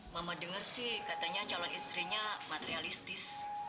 mama dengar sih katanya calon istrinya materialistis